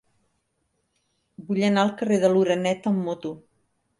Vull anar al carrer de l'Oreneta amb moto.